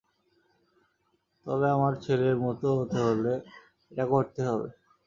তবে আমার ছেলের মতো হতে হলে এটা করতেই হবে।